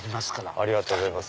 ありがとうございます。